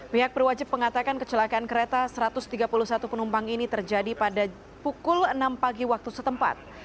pihak perwajib mengatakan kecelakaan kereta satu ratus tiga puluh satu penumpang ini terjadi pada pukul enam pagi waktu setempat